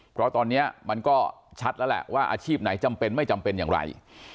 เพราะตอนนี้มันก็ชัดแล้วแหละว่าอาชีพไหนจำเป็นไม่จำเป็นอย่างไร